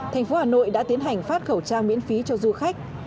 thành phố hà nội đã tiến hành phát khẩu trang miễn phí cho du khách